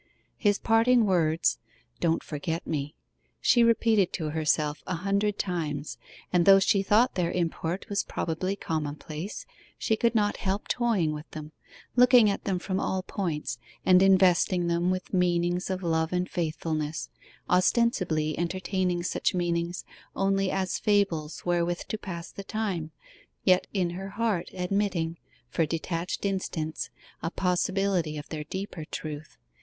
His parting words, 'Don't forget me,' she repeated to herself a hundred times, and though she thought their import was probably commonplace, she could not help toying with them, looking at them from all points, and investing them with meanings of love and faithfulness, ostensibly entertaining such meanings only as fables wherewith to pass the time, yet in her heart admitting, for detached instants, a possibility of their deeper truth.